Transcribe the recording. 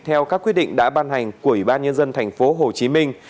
theo các quyết định đã ban hành của ủy ban nhân dân thành phố hồ chí minh